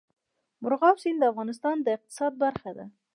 مورغاب سیند د افغانستان د اقتصاد برخه ده.